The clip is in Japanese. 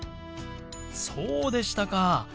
そうでしたか。